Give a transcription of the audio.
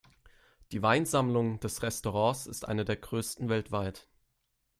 Die Weinsammlung des Restaurants ist eine der größten weltweit.